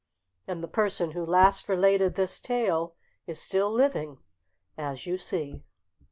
And the person who last related this tale is still living, as you see.